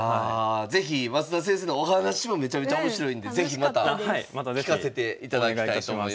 是非増田先生のお話もめちゃめちゃ面白いんで是非また聞かせていただきたいと思います。